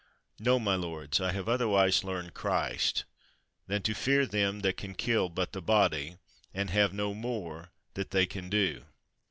Xo, my lords, I have otherwise learned Christ, than to fear them that can but kill the body, and have no more that they can do.